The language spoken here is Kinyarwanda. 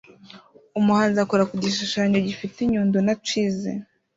Umuhanzi akora ku gishushanyo gifite inyundo na chisel